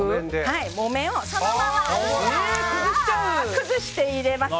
木綿をそのまま崩して入れます。